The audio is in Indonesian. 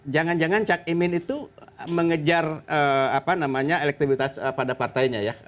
jangan jangan cak imin itu mengejar elektribitas pada partainya ya